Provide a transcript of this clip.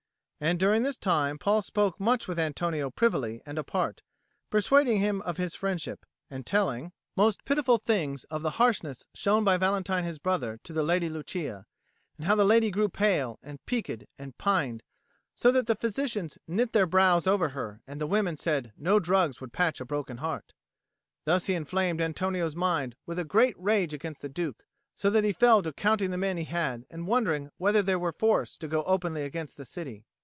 And during this time Paul spoke much with Antonio privily and apart, persuading him of his friendship, and telling most pitiful things of the harshness shown by Valentine his brother to the Lady Lucia, and how the lady grew pale, and peaked and pined, so that the physicians knit their brows over her and the women said no drugs would patch a broken heart. Thus he inflamed Antonio's mind with a great rage against the Duke, so that he fell to counting the men he had and wondering whether there were force to go openly against the city.